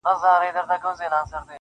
زړه مي دي خاوري سي ډبره دى زړگى نـه دی.